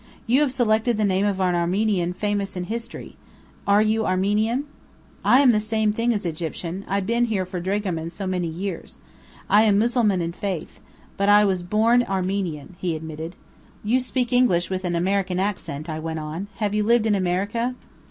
You have selected the name of an Armenian famous in history. Are you Armenian?" "I am the same thing as Egyptian, I bin here for dragoman so many years. I am Mussulman in faith. But I was born Armenian," he admitted. "You speak English with an American accent," I went on. "Have you lived in America?"